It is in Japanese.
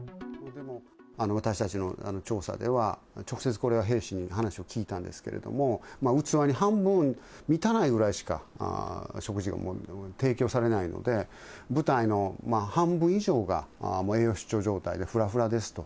私たちの調査では、直接これは兵士に話を聞いたんですけれども、器に半分満たないぐらいしか食事がもう、提供されないので、部隊の半分以上がもう栄養失調状態でふらふらですと。